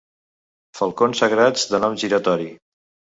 Falcons sagrats de nom giratori.